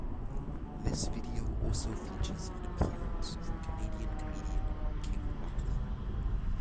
The video also features an appearance from Canadian comedian King Bach.